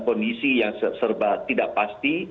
kondisi yang serba tidak pasti